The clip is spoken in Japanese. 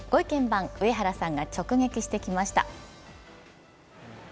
番上原さんが直撃してきました。